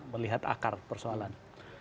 melihat akar persoalan